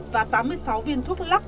và tám mươi sáu viên thuốc lóc